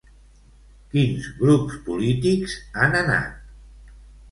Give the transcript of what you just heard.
Quins grups polítics han anat?